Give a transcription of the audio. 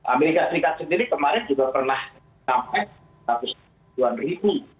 amerika serikat sendiri kemarin juga pernah sampai ke ratusan ribuan ribu